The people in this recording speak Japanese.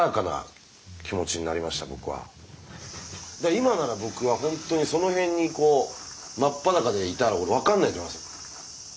今なら僕は本当にその辺に真っ裸でいたら俺分かんないと思いますよ。